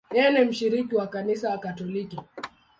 Yeye ni mshiriki wa Kanisa Katoliki.